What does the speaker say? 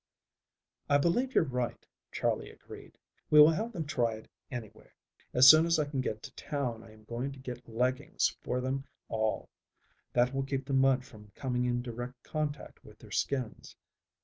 "I believe you're right," Charley agreed. "We will have them try it anyway. As soon as I can get to town I am going to get leggins for them all. That will keep the mud from coming in direct contact with their skins.